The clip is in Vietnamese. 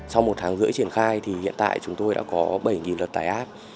sau một tháng rưỡi triển khai thì hiện tại chúng tôi đã có bảy luật tài áp